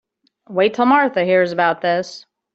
Wait till Martha hears about this.